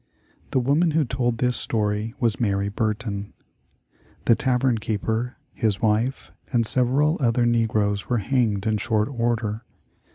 The woman who told this story was Mary Burton. The tavern keeper, his wife, and several other negroes were hanged in short order.